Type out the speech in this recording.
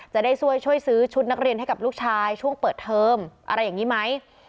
จะได้ช่วยซื้อชุดนักเรียนให้กับลูกชายช่วงเปิดเทอมอะไรอย่างนี้ไหม